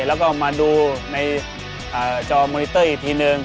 แล้วก็มาดูในจอมอนิเตอร์อีกทีนึง